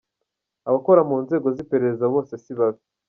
Abakora mu nzego z’iperereza bose si babi!